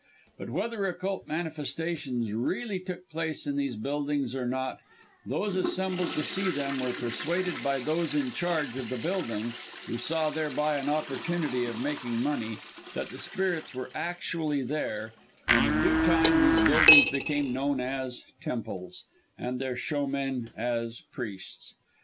But whether occult manifestations really took place in these buildings or not, those assembled to see them were persuaded by those in charge of the building, who saw thereby an opportunity of making money, that the spirits were actually there; and in due time these buildings became known as temples, and their showmen as priests.